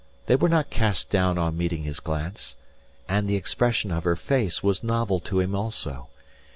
They were not cast down on meeting his glance. And the expression of her face was novel to him also.